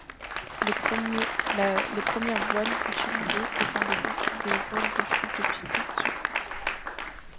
Les premières voiles utilisées étaient des voiles de chute de petite surface.